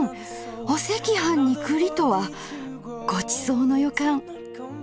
お赤飯に栗とはごちそうの予感。